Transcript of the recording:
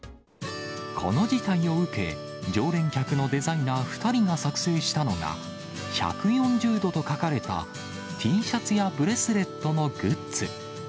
この事態を受け、常連客のデザイナー２人が作製したのが、１４０度と書かれたＴシャツやブレスレットのグッズ。